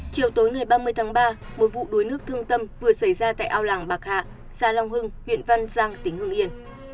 chiều tối ngày ba mươi tháng ba một vụ đuối nước thương tâm vừa xảy ra tại ao làng bạc hạ xã long hưng huyện văn giang tỉnh hưng yên